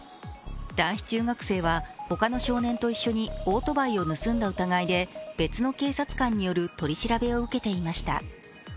男子中学生は他の少年と一緒にオートバイを盗んだ疑いで別の警察官による取り調べを受けていました。